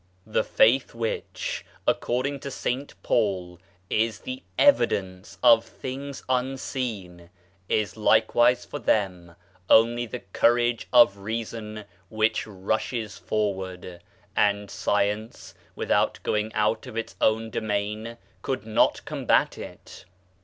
The faith which, accord ing to St Paul, is " the evidence of things unseen," is likewise for them only " the courage of reason which rushes forward "; and science, without going out of its own domain, could not combat it.